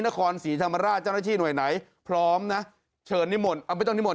นครศรีธรรมราชแจ้งหน้าที่หน่วยไหนพร้อมนะ